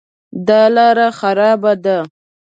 دا لاره خرابه ده